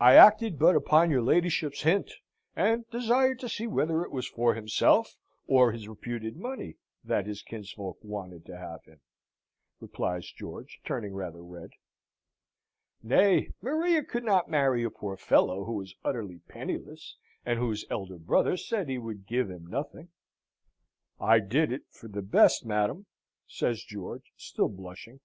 "I acted but upon your ladyship's hint, and desired to see whether it was for himself or his reputed money that his kinsfolk wanted to have him," replies George, turning rather red. "Nay, Maria could not marry a poor fellow who was utterly penniless, and whose elder brother said he would give him nothing!" "I did it for the best, madam," says George, still blushing.